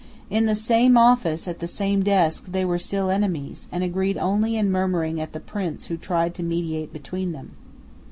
In the same office, at the same desk, they were still enemies, and agreed only in murmuring at the Prince who tried to mediate between them.